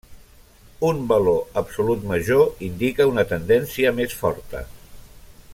Un valor absolut major indica una tendència més forta.